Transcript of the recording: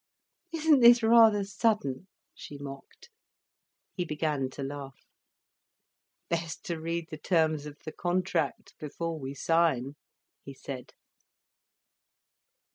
"Isn't this rather sudden?" she mocked. He began to laugh. "Best to read the terms of the contract, before we sign," he said.